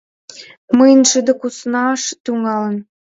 Мыйын шыде куснаш тӱҥалын: